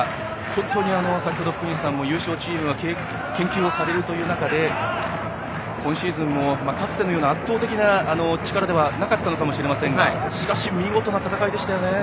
本当に先程福西さんもおっしゃいましたが優勝チームは研究をされるという中で今シーズンも、かつてのような圧倒的な力ではなかったかもしれませんが見事な戦いでしたね。